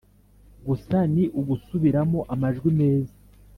gusa ni ugusubiramo amajwi meza,